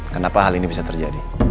kenapa hal ini bisa terjadi